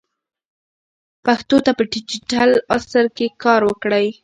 پښتو ته په ډیجیټل عصر کې کار وکړئ.